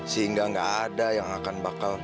sehingga nggak ada yang akan bakal